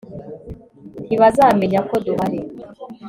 ntibazamenya ko duhari